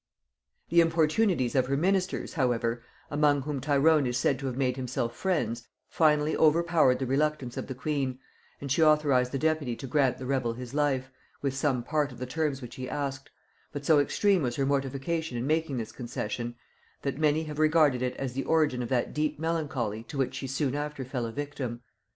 ] The importunities of her ministers, however, among whom Tyrone is said to have made himself friends, finally overpowered the reluctance of the queen; and she authorized the deputy to grant the rebel his life, with some part of the terms which he asked; but so extreme was her mortification in making this concession, that many have regarded it as the origin of that deep melancholy to which she soon after fell a victim.